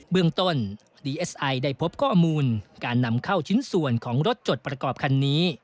เบื้องต้นดีเอสไอได้พบข้อมูลการนำเข้าชิ้นส่วนของรถจดประกอบคันนี้